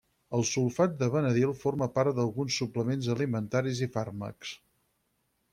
El sulfat de vanadil forma part d'alguns suplements alimentaris i fàrmacs.